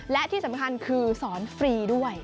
และที่สำคัญคือสอนฟรีด้วย